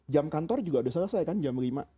jam kantor juga sudah selesai kan jam lima